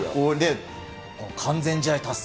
完全試合達成